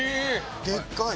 でっかい！